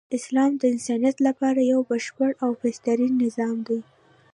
اسلام د انسانیت لپاره یو بشپړ او بهترین نظام دی .